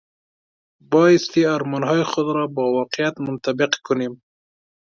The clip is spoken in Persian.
بایستی آرمانهای خود را با واقعیت منطبق کنیم.